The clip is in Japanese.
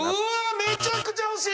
めちゃくちゃ惜しい！